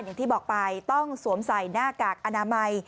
อย่างที่บอกไปต้องสวมใส่หน้ากากอนามัย